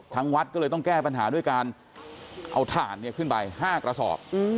วัดก็เลยต้องแก้ปัญหาด้วยการเอาถ่านขึ้นไป๕กระสอบ